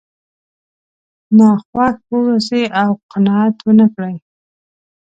ناخوښ واوسئ او قناعت ونه کړئ.